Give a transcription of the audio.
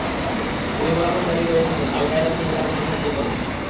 তিনি বরাবরই দাবি করে এসেছেন, আল-কায়েদার সঙ্গে তাঁর কোনো সম্পর্ক নেই।